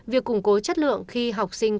việc củng cố chất lượng khi học sinh